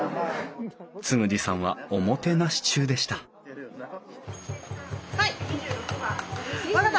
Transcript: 嗣二さんはおもてなし中でした知亜季さん。